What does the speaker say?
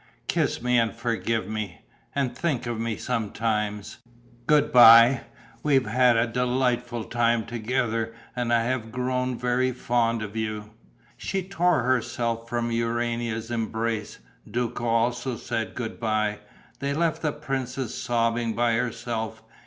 Kiss me and forgive me. And think of me sometimes. Good bye. We have had a delightful time together and I have grown very fond of you." She tore herself from Urania's embrace; Duco also said good bye. They left the princess sobbing by herself.